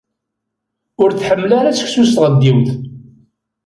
Ur tḥemmel ara seksu s tɣeddiwt.